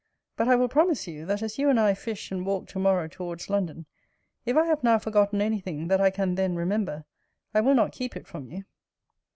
But I will promise you, that as you and I fish and walk to morrow towards London, if I have now forgotten anything that I can then remember, I will not keep it from you.